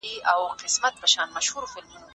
ایا مستري په اوږه باندي ګڼ توکي راوړل؟